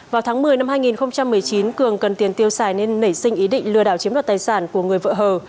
vào tháng một mươi năm hai nghìn một mươi chín cường cần tiền tiêu xài nên nảy sinh ý định lừa đảo chiếm đoạt tài sản của người vợ hờ